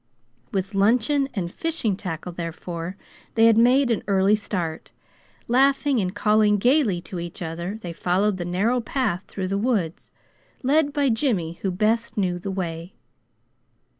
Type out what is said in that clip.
With luncheon and fishing tackle, therefore, they had made an early start. Laughing and calling gaily to each other they followed the narrow path through the woods, led by Jimmy, who best knew the way.